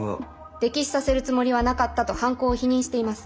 溺死させるつもりはなかったと犯行を否認しています。